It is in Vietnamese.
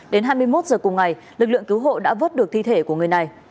đến hai mươi một h cùng ngày lực lượng cứu hộ đã vớt được thi thể của người này